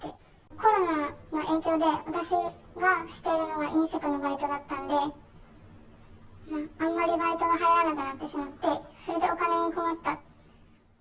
コロナの影響で、私がしているのが飲食のバイトだったんで、あまりバイトが入らなくなってしまって、それでお金に困って。